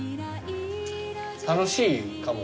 楽しいかも。